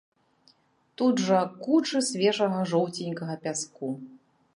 Тут жа кучы свежага жоўценькага пяску.